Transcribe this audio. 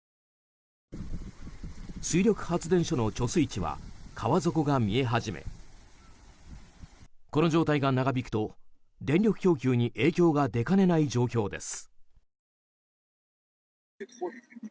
水力発電所の貯水池は川底が見え始めこの状態が長引くと電力供給に影響が出かねない状況です。